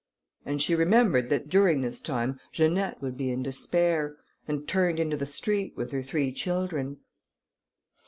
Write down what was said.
And she remembered that during this time Janette would be in despair, and turned into the street with her three children.